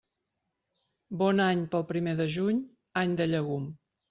Bon any pel primer de juny, any de llegum.